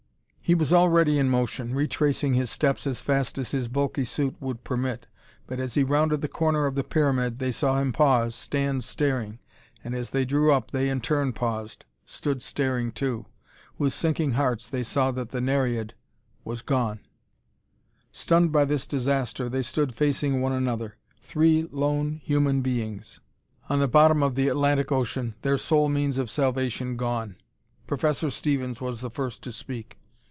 He was already in motion, retracing his steps as fast as his bulky suit would permit. But as he rounded the corner of the pyramid, they saw him pause, stand staring. And as they drew up, they in turn paused; stood staring, too. With sinking hearts, they saw that the Nereid was gone. Stunned by this disaster, they stood facing one another three lone human beings, on the bottom of the Atlantic ocean, their sole means of salvation gone. Professor Stevens was the first to speak.